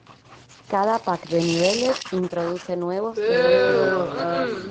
Cada pack de niveles introduce nuevos desafíos.